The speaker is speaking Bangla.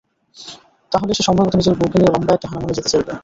তাহলে সে সম্ভবত নিজের বউকে নিয়ে লম্বা একটা হনিমুনে যেতে চাইবে।